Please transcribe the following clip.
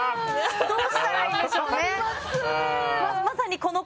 どうしたらいいんでしょうね？